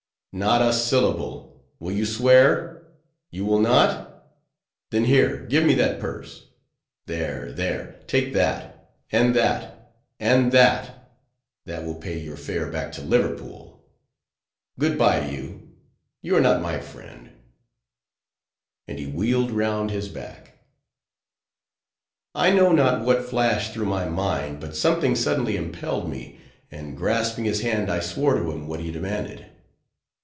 "Not a syllable! Will you swear?—you will not? then here, give me that purse:—there—there—take that—and that—and that;—that will pay your fare back to Liverpool; good by to you: you are not my friend," and he wheeled round his back. I know not what flashed through my mind, but something suddenly impelled me; and grasping his hand, I swore to him what he demanded.